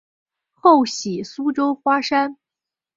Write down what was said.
后徙苏州花山。